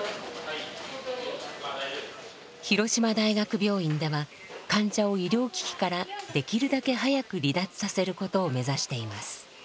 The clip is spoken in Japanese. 広島大学病院では患者を医療機器からできるだけ早く離脱させることを目指しています。